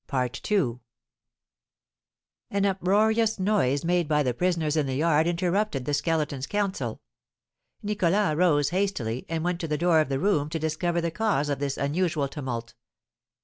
An uproarious noise made by the prisoners in the yard interrupted the Skeleton's council. Nicholas rose hastily, and went to the door of the room to discover the cause of this unusual tumult.